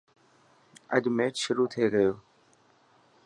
اڄ ميچ شروع ٿي گيو.